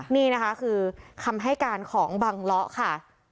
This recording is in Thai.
นี่นะคะคือคำให้การของบังเลาะค่ะ